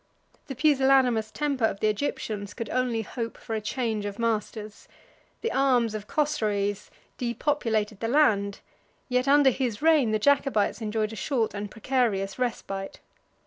The pusillanimous temper of the Egyptians could only hope for a change of masters; the arms of Chosroes depopulated the land, yet under his reign the Jacobites enjoyed a short and precarious respite.